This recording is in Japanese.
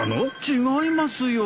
違いますよ！